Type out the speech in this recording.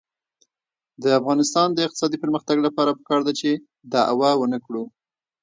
د افغانستان د اقتصادي پرمختګ لپاره پکار ده چې دعوه ونکړو.